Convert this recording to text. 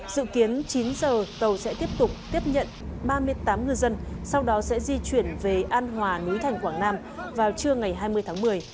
dự kiến chín giờ tàu sẽ tiếp tục tiếp nhận ba mươi tám ngư dân sau đó sẽ di chuyển về an hòa núi thành quảng nam vào trưa ngày hai mươi tháng một mươi